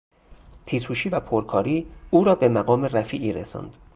تیز هوشی و پرکاری او را به مقام رفیعی رساند.